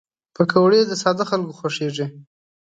پکورې له ساده خلکو خوښېږي